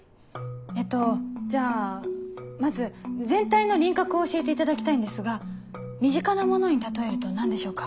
えっとじゃあまず全体の輪郭を教えていただきたいんですが身近なものに例えると何でしょうか？